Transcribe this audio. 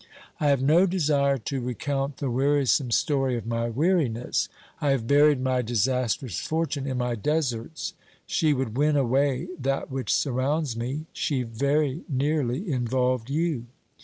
I have no desire to recount the wearisome story of my weariness. I have buried my disastrous fortune in my deserts ; she would win away that which surrounds me, she very nearly involved you.